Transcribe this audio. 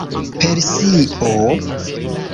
Persio?